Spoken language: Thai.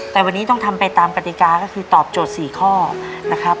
แต่วันนี้ต้องทำไปตามกติกาก็คือตอบโจทย์๔ข้อนะครับ